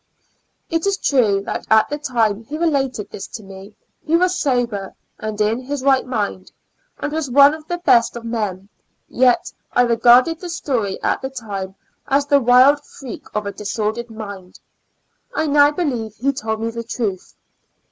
It is true that at the time he related this to me, he was sober and in his right mind, and was one of the best of men ; yet, I regarded the story at the time, as the wild freak of a disordered mind. I now believe he told me the truth.